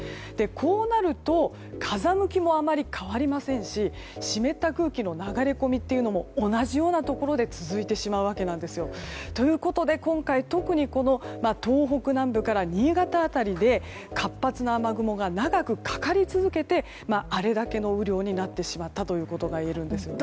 こうなると、風向きもあまり変わりませんし湿った空気の流れ込みというのも同じようなところで続いてしまうわけなんですよ。ということで今回、特に、東北南部から新潟辺りで活発な雨雲が長くかかり続けてあれだけの雨量になってしまったということがいえるんですね。